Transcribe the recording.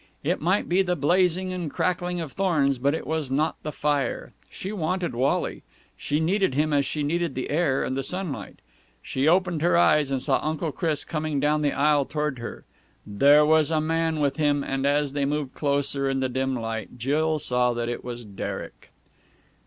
It might be the blazing and crackling of thorns, but it was not the fire. She wanted Wally. She needed him as she needed the air and the sunlight. She opened her eyes and saw Uncle Chris coming down the aisle towards her. There was a man with him, and, as they moved closer in the dim light, Jill saw that it was Derek.